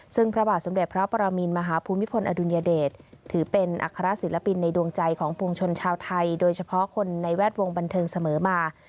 ซึ่งพระบาทสมเด็จพระปรมินมหาภูมิพลอดุลยเดชถือเป็นอัครศิลปินในดวงใจของปวงชนชาวไทยโดยเฉพาะคนในแวดวงบันเทิงเสมอมา